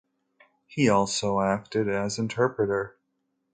He also acted as interpreter.